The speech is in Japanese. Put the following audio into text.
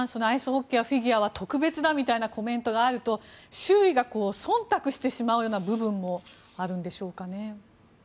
アイスホッケーやフィギュアが特別だみたいなコメントがあると周囲が忖度してしまうような部分もあるんでしょうかね。